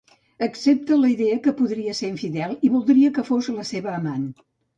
Accepta la idea que podria ser infidel i voldria que fos la seva amant.